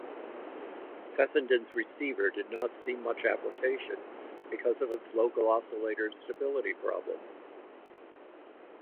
Fessenden's receiver did not see much application because of its local oscillator's stability problem.